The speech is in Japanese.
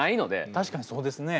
確かにそうですね。